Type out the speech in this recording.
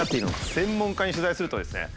専門家に取材するとですね